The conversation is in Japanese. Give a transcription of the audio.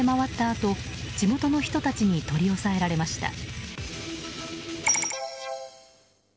あと地元の人たちに取り押さえられました。